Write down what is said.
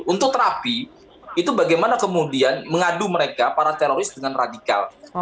untuk terapi itu bagaimana kemudian mengadu mereka para teroris dengan radikal